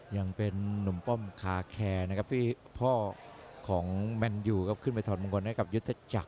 ยังเป็นนุ่มป้อมคาแคร์นะครับที่พ่อของแมนยูครับขึ้นไปถอดมงคลให้กับยุทธจักร